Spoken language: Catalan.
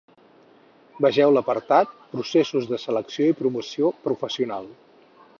Vegeu l'apartat Processos de selecció i promoció professional.